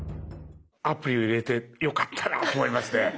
アプリを入れてよかったなと思いますね。